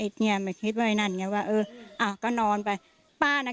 เนี้ยไม่คิดว่าอะไรนั่นอย่างเงี้ยว่าเอออ่าก็นอนไปป้านะ